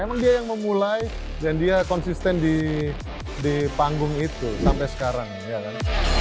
emang dia yang memulai dan dia konsisten di panggung itu sampai sekarang ya kan